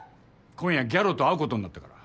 今夜ギャロと会うことになったから。